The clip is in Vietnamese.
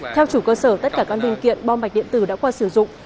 theo chủ cơ sở tất cả các linh kiện bom mạch điện tử đã qua sử dụng